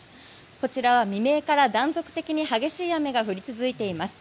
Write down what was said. こちらは未明から断続的に激しい雨が降り続いています。